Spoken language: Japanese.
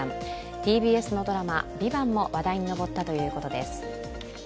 ＴＢＳのドラマ「ＶＩＶＡＮＴ」も話題に上ったということです。